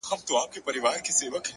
هوښیار انتخاب پښېماني راکموي.